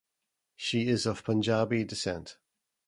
She is of Punjabi descent.